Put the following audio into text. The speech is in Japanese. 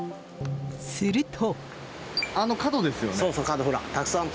すると。